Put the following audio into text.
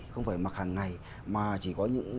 không phải mặc hàng ngày mà chỉ có những